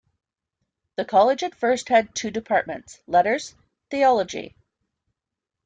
The college at first had two Departments: Letters, Theology.